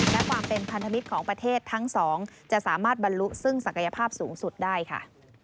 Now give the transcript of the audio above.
และความเป็นพันธมิตรของประเทศทั้งสองจะสามารถบรรลุซึ่งศักยภาพสูงสุดได้ค่ะ